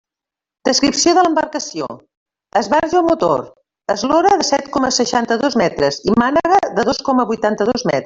Descripció de l'embarcació: esbarjo a motor, eslora set coma seixanta-dos metres i mànega dos coma vuitanta-dos metres.